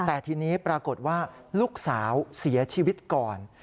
แต่ทีนี้ปรากฏว่าลูกสาวเสียชีวิตก่อน